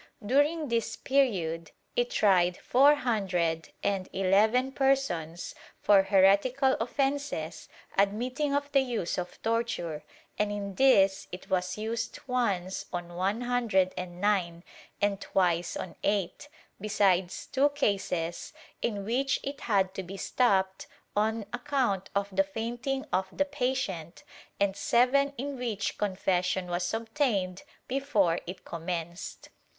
During this period it tried four hundred and eleven persons for heretical offences admitting of the use of torture, and in these it was used once on one hundred and nine, and twice on eight, besides two cases in which it had to be stopped on account of the fainting of the patient, and seven in which con fession was obtained before it commenced.